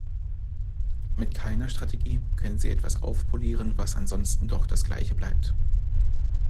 Mit keiner Strategie können Sie etwas aufpolieren, was ansonsten doch das Gleiche bleibt.